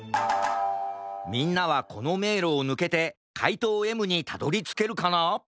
みんなはこのめいろをぬけてかいとうＭにたどりつけるかな？